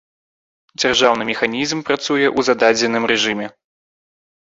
Дзяржаўны механізм працуе ў зададзеным рэжыме.